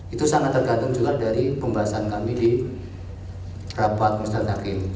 itu sangat tergantung juga dari pembahasan kami di rapat penulisan hakim